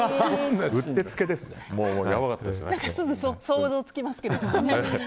すぐ想像つきますけど。